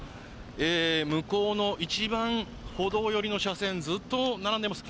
向こうの一番歩道寄りの車線ずっと並んでいます。